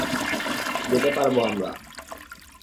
যেতে পারব আমরা।